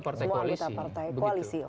partai koalisi semua anggota partai koalisi